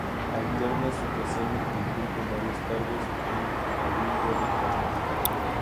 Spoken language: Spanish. Alterna su quehacer mercantil con varios cargos en el Cabildo de Caracas.